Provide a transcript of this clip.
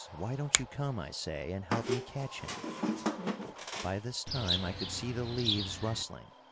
Why don't you come, I say, and help me catch him?" By this time I could see the leaves rustling.